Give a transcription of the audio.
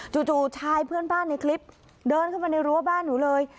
ชายเพื่อนบ้านในคลิปเดินเข้ามาในรั้วบ้านหนูเลย